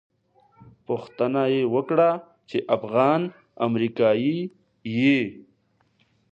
پوښتنه یې وکړه چې افغان امریکایي یې.